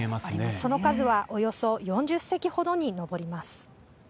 その数はおよそ４０隻ほどに上ります。